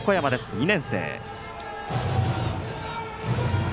２年生。